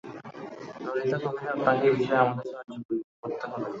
ললিতা কহিল, আপনাকে এ বিষয়ে আমাদের সাহায্য করতে হবে।